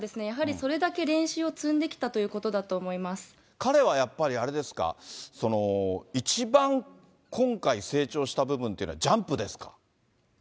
やはりそれだけ練習を積んできた彼はやっぱり、あれですか、一番、今回、成長した部分っていうのは、ジャンプですか？